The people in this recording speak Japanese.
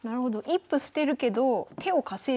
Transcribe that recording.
一歩捨てるけど手を稼いでる。